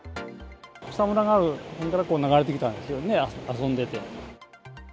くさむらがある所を流れてきたんですよね、遊んでて。